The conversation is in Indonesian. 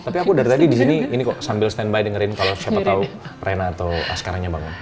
tapi aku dari tadi disini ini kok sambil stand by dengerin kalo siapa tau rina atau askara nya bangun